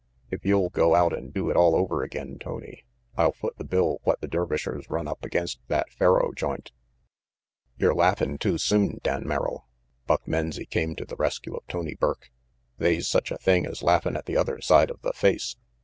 "If you'll go out and do it all over again, Tony, I'll foot the bill what the Dervishers run up against that faro joint." "Yer laughin' too soon, Dan Merrill." Buck Menzie came to the rescue of Tony Burke. "They's such a thing as laughin' at the other side of the face."